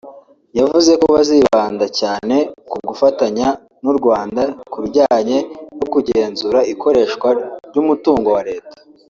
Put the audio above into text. yavuze ko bazibanda cyane ku gufatanya n’u Rwanda ku bijyanye no kugenzura ikoreshwa ry’umutungo wa Leta